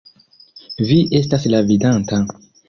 Vi estas la Vidanta!